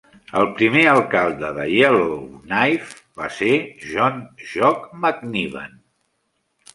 El primer alcalde de Yellowknife va ser John "Jock" McNiven.